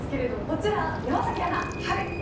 こちらは、山崎アナ